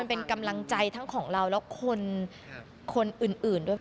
เป็นกำลังใจทั้งของเราและคนอื่นด้วย